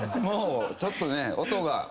もうちょっとね音が。